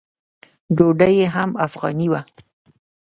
ډوډۍ یې هم افغاني وه.